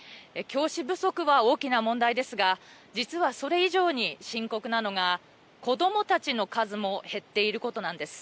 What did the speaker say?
教師不足は大きな問題ですが実はそれ以上に深刻なのが子どもたちの数も減っていることなんです。